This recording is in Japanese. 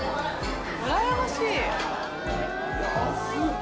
うらやましい！